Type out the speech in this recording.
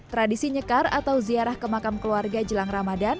tradisi nyekar atau ziarah ke makam keluarga jelang ramadan